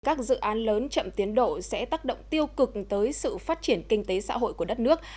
các dự án lớn chậm tiến độ sẽ tác động tiêu cực tới sự phát triển kinh tế xã hội của đất nước